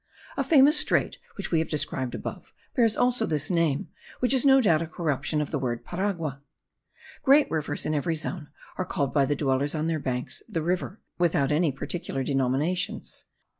A famous strait, which we have described above, bears also this name, which is no doubt a corruption of the word Paragua. Great rivers in every zone are called by the dwellers on their banks the river, without any particular denominations.